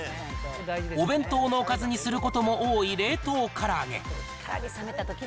お弁当のおかずにすることも多い冷凍から揚げ。